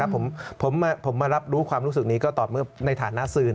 ผมมารับรู้ความรู้สึกนี้ก็ตอบเมื่อในฐานะสื่อ